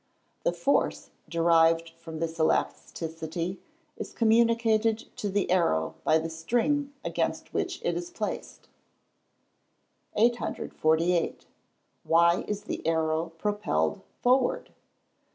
The force derived from this elasticity, is communicated to the arrow by the string against which it is placed. 848. _Why is the arrow propelled forward?